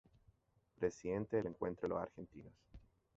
Presidente del Encuentro de los Argentinos.